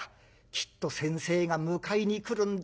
『きっと先生が迎えに来るんだ。